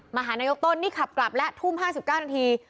หานายกต้นนี่ขับกลับแล้วทุ่ม๕๙นาที